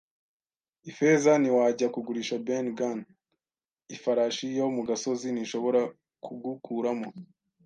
Ifeza, ntiwajya kugurisha Ben Gunn? Ifarashi yo mu gasozi ntishobora kugukuramo?